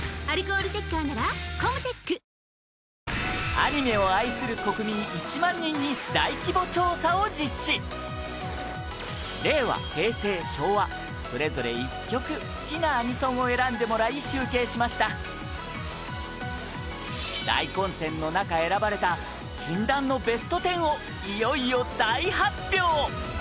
アニメを愛する国民１万人に大規模調査を実施令和、平成、昭和それぞれ１曲好きなアニソンを選んでもらい集計しました大混戦の中、選ばれた禁断のベスト１０をいよいよ大発表！